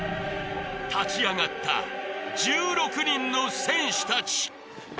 立ち上がった１６人の戦士たち！